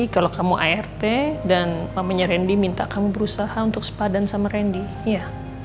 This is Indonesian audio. kalau kamu art dan mamanya randy minta kamu berusaha untuk sepadan sama randy ya